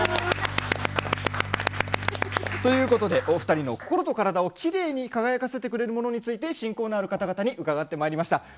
お二人の心と体をきれいに輝かせてくれるものについて親交のある方々に伺ってまいりました。